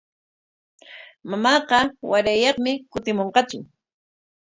Mamaama warayyaqmi kutimunqatsu.